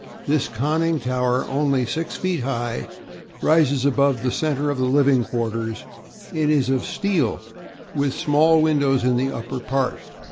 This conning tower, only six feet high, rises above the centre of the living quarters, and is of steel with small windows in the upper part.